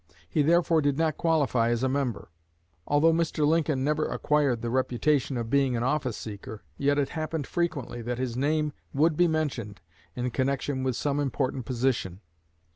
He therefore did not qualify as a member. Although Mr. Lincoln never acquired the reputation of being an office seeker, yet it happened frequently that his name would be mentioned in connection with some important position.